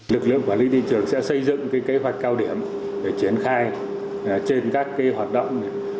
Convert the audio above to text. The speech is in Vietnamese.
lực lượng quản lý thị trường sẽ xây dựng kế hoạch cao điểm để triển khai trên các hoạt động